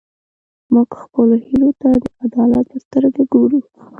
موږ خپلو هیلو ته د عدالت په سترګه ګورو.